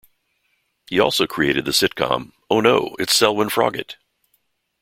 He also created the sitcom "Oh No, It's Selwyn Froggitt!